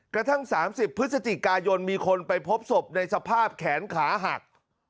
กระทั่ง๓๐พฤศจิกายนมีคนไปพบศพในสภาพแขนขาหัก